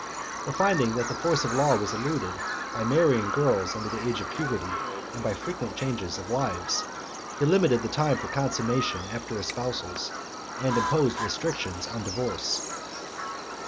But finding that the force of the law was eluded, by marrying girls under the age of puberty, and by frequent change of wives, he limited the time for consummation after espousals, and imposed restrictions on divorce.